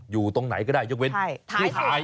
อยู่ตรงไหนก็ได้ยกเว้นท้ายสุด